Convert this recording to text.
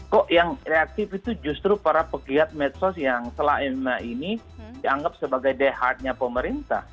kok yang reaktif itu justru para pegiat medsos yang selain ini dianggap sebagai dehadnya pemerintah